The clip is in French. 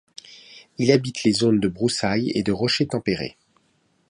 Il habite les zones de broussailles et de rochers tempérées.